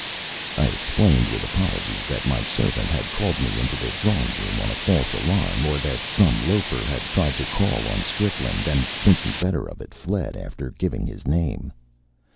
I explained, with apologies, that my servant had called me into the drawing room on a false alarm; or that some loafer had tried to call on Strickland, and, thinking better of it, fled after giving his name.